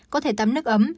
có thể tắm nước ấm